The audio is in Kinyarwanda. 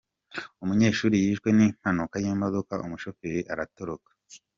Umunyeshuri yishwe n’impanuka y’imodoka umushoferi aratoroka